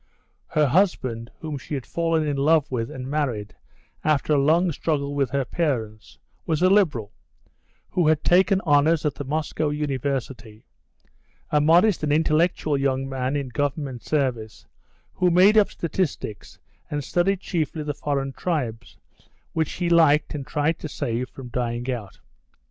Her husband, whom she had fallen in love with and married after a long struggle with her parents, was a Liberal, who had taken honours at the Moscow University, a modest and intellectual young man in Government service, who made up statistics and studied chiefly the foreign tribes, which he liked and tried to save from dying out.